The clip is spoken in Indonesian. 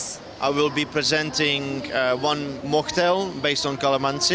saya akan mempresentasikan satu cocktail berdasarkan kalamansi